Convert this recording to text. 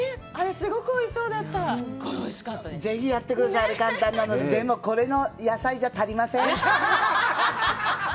すごくおいしそうだったすっごいおいしかったです是非やってください簡単なのででもこれの野菜じゃ足りません